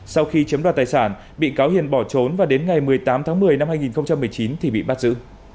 sau khi chiếm đoạt tài sản bị cáo hiền bỏ trốn và đến ngày một mươi tám tháng một mươi năm hai nghìn một mươi chín thì bị bắt giữ